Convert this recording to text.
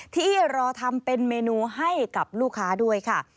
ที่รอทำเป็นเมนูให้กับลูกค้าด้วยค่ะ